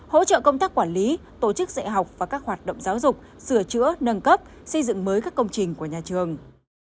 hỗ trợ công tác quản lý tổ chức dạy học và các hoạt động giáo dục sửa chữa nâng cấp xây dựng mới các công trình của nhà trường